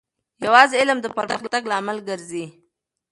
یوازې علم د پرمختګ لامل ګرځي.